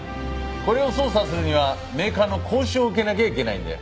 これを操作するにはメーカーの講習を受けなきゃいけないんだよ。